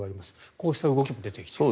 こうした動きも出てきていると。